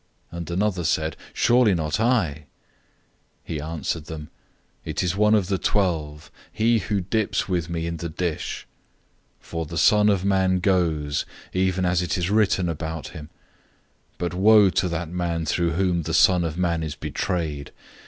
And another said, "Surely not I?" 014:020 He answered them, "It is one of the twelve, he who dips with me in the dish. 014:021 For the Son of Man goes, even as it is written about him, but woe to that man by whom the Son of Man is betrayed!